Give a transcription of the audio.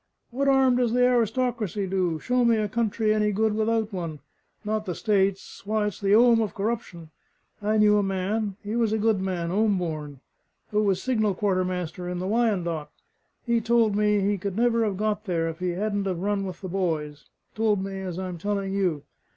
What 'arm does the aristocracy do? Show me a country any good without one! Not the States; why, it's the 'ome of corruption! I knew a man he was a good man, 'ome born who was signal quartermaster in the Wyandotte. He told me he could never have got there if he hadn't have 'run with the boys' told it me as I'm telling you.